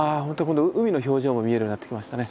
今度は海の表情も見えるようになってきましたね。